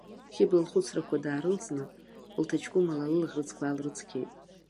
Хьыбла лхәыцрақәа даарылҵы, лҭаҷкәым ала лылаӷырӡқәа аалрыцқьеит.